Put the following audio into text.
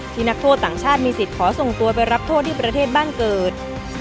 นักโทษต่างชาติมีสิทธิ์ขอส่งตัวไปรับโทษที่ประเทศบ้านเกิด